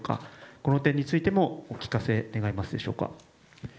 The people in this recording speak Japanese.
この点についてもお聞かせ願いますでしょうか。